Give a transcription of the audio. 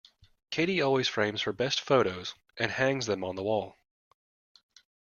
Katie always frames her best photos, and hangs them on the wall.